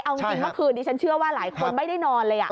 เอาจริงเมื่อคืนนี้ฉันเชื่อว่าหลายคนไม่ได้นอนเลย